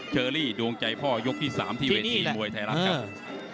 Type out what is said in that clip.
เชอรี่ดวงใจพ่อยกที่๓ที่เวทีมวยไทยรัฐครับ